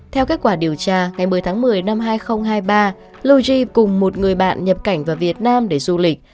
theo kết quả điều tra ngày một mươi tháng một mươi năm hai nghìn hai mươi ba logi cùng một người bạn nhập cảnh vào việt nam để du lịch